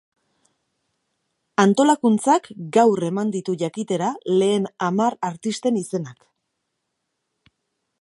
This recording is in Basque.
Antolakuntzak gaur eman ditu jakitera lehen hamar artisten izenak.